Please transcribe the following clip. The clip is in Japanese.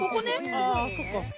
あぁそっか。